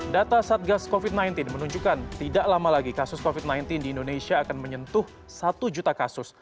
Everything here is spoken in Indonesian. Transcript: data satgas covid sembilan belas menunjukkan tidak lama lagi kasus covid sembilan belas di indonesia akan menyentuh satu juta kasus